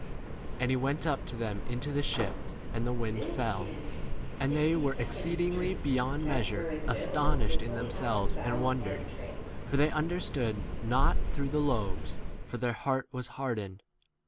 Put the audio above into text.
51 And he went up to them into the ship, and the wind fell. And they were exceedingly beyond measure astonished in themselves and 32 wondered ; for they understood not through b the loaves ; for their 53 heart was hardened.